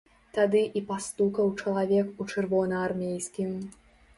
Тады і пастукаў чалавек у чырвонаармейскім.